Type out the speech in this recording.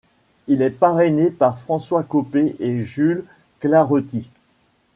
Il est parrainé par François Coppée et Jules Claretie.